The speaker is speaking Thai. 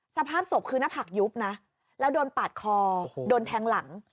สภาพศพคือหน้าผักยุบนะแล้วโดนปาดคอโดนแทงหลัง